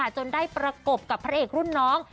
จนได้ประกบกับพระเอกรุ่นน้อง